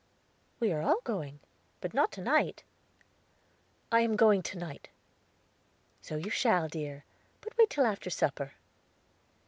"We are all going; but not to night." "I am going to night." "So you shall, dear; but wait till after supper."